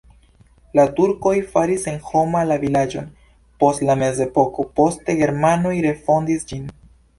La turkoj faris senhoma la vilaĝon post la mezepoko, poste germanoj refondis ĝin.